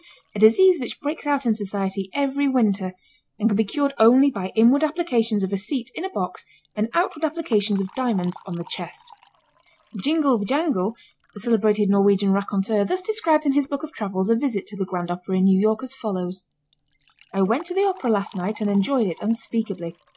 A disease which breaks out in society every winter and can be cured only by inward applications of a seat in a box and outward applications of diamonds on the chest. Bjingle Bjangle, the celebrated Norwegian raconteur, thus describes in his book of travels a visit to the grand opera in New York, as follows: I went to the opera last night and enjoyed it unspeakably.